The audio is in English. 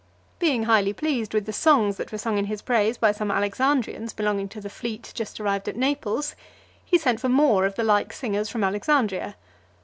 Being highly pleased with the songs that were sung in his praise by some Alexandrians belonging to the fleet just arrived at Naples , he sent for more of the like singers from Alexandria.